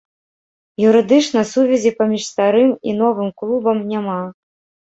Юрыдычна сувязі паміж старым і новым клубам няма.